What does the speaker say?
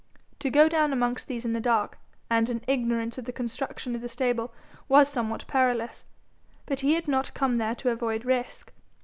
To go down amongst these in the dark, and in ignorance of the construction of the stable, was somewhat perilous; but he had not come there to avoid risk.